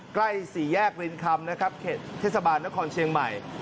ใกล้สี่แยกรินคำนะครับเขตเทศบาลนครเชียงใหม่